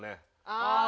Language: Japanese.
ああ